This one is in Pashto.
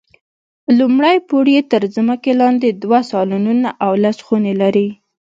لومړی پوړ یې تر ځمکې لاندې دوه سالونونه او لس خونې لري.